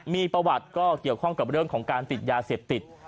มีประวัติก็เกี่ยวข้องกับเรื่องของการติดยาเสพติด